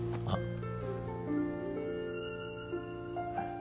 あっ。